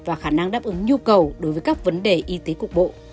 và khả năng đáp ứng nhu cầu đối với các vấn đề y tế cục bộ